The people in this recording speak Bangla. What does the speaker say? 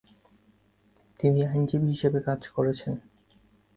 তিনি আইনজীবী হিসেবে কাজ করেছেন।